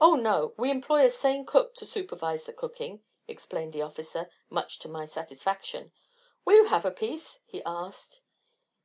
"Oh no, we employ a sane cook to supervise the cooking," explained the officer, much to my satisfaction. "Will you have a piece?" he asked.